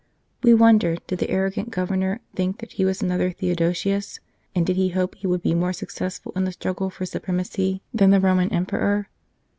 We wonder, did the arrogant Governor think that he was another Theodosius, and did he hope he would be more successful in the struggle for supremacy than the Roman Emperor